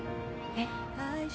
えっ？